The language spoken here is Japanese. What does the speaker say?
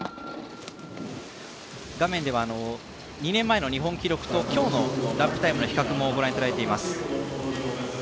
画面では２年前の日本記録と今日のラップタイムの比較もご覧いただいています。